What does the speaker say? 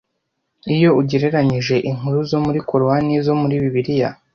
Iyo ugereranyije inkuru zo muri Korowani n’izo muri Bibiliya